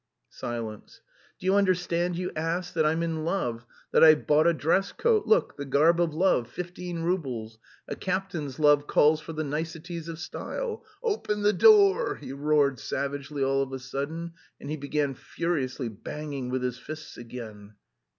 Silence. "Do you understand, you ass, that I'm in love, that I've bought a dress coat, look, the garb of love, fifteen roubles; a captain's love calls for the niceties of style.... Open the door!" he roared savagely all of a sudden, and he began furiously banging with his fists again.